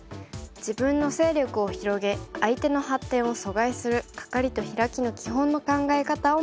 自分の勢力を広げ相手の発展を阻害するカカリとヒラキの基本の考え方を学びます。